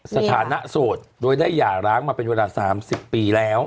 สถานะโสดโดยได้หย่าร้างมาเป็นเวลา๓๐ปีแล้ว